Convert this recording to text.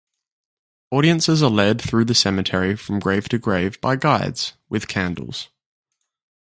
Audiences are led through the cemetery from grave to grave by guides with candles.